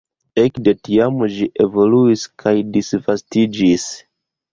Ekde tiam ĝi evoluis kaj disvastiĝis.